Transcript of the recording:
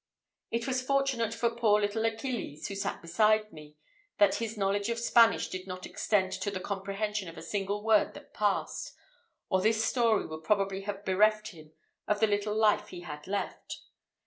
It was fortunate for poor little Achilles, who sat beside me, that his knowledge of Spanish did not extend to the comprehension of a single word that passed, or this story would probably have bereft him of the little life he had left.